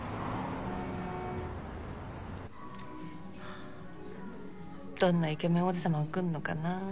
あどんなイケメン王子様が来るのかなぁ。